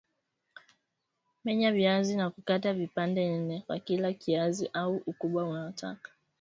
Menya viazi na kukata vipande nne kwa kila kiazi au ukubwa unaotaka